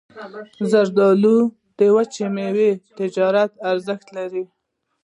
زردالو د وچې میوې تجارتي ارزښت لري.